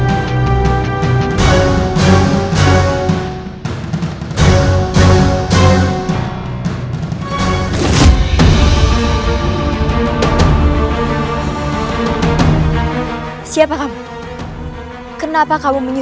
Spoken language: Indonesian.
agar semuanya aman